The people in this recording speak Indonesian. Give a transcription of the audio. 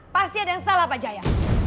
pasti ada yang salah pak jaya